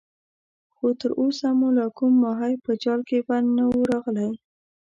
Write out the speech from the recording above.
خو تر اوسه مو لا کوم ماهی په جال کې بند نه وو راغلی.